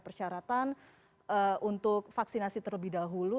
persyaratan untuk vaksinasi terlebih dahulu